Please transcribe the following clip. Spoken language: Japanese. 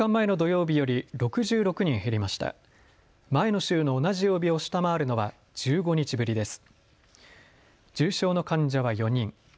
前の週の同じ曜日を下回るのは１５日ぶりです。